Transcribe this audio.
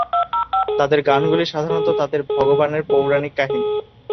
তাদের গানগুলি সাধারণত তাদের ভগবানের পৌরাণিক কাহিনী।